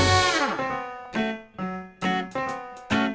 สปาเกตตี้ปลาทู